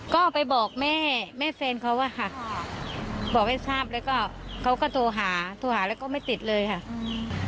ก็ไปบอกแม่แม่แฟนเขาอะค่ะบอกให้ทราบแล้วก็เขาก็โทรหาโทรหาแล้วก็ไม่ติดเลยค่ะอืม